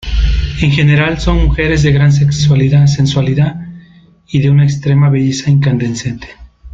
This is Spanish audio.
En general son mujeres de gran sensualidad y de una extrema belleza incandescente.